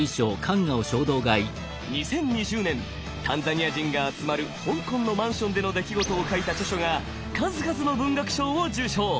２０２０年タンザニア人が集まる香港のマンションでの出来事を書いた著書が数々の文学賞を受賞！